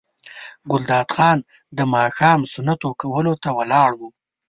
ګلداد خان د ماښام سنتو کولو ته ولاړ و.